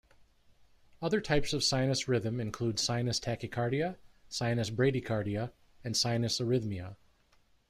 Other types of sinus rhythm include sinus tachycardia, sinus bradycardia and sinus arrhythmia.